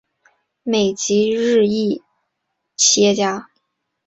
美籍日裔企业家。